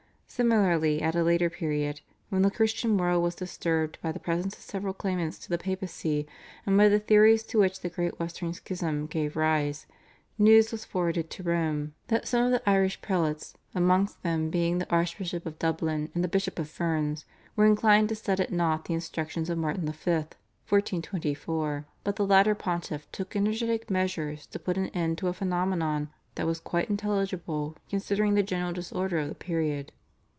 Similarly at a later period, when the Christian world was disturbed by the presence of several claimants to the Papacy and by the theories to which the Great Western Schism gave rise, news was forwarded to Rome that some of the Irish prelates, amongst them being the Archbishop of Dublin and the Bishop of Ferns, were inclined to set at nought the instructions of Martin V. (1424), but the latter pontiff took energetic measures to put an end to a phenomenon that was quite intelligible considering the general disorder of the period.